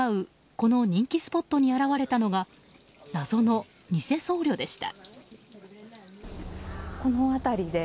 この人気スポットに現れたのが謎の偽僧侶でした。